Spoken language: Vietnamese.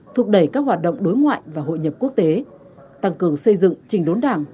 thúc đẩy các hoạt động đối ngoại và hội nhập quốc tế tăng cường xây dựng trình đốn đảng